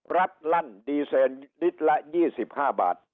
รัฐลั่นดีเซนลิตรละ๒๕บาท